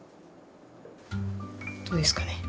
どうですかね？